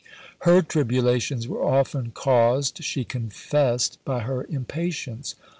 Her tribulations were often caused, she confessed, by her impatience.